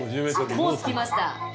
もう着きました。